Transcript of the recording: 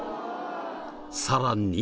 さらに！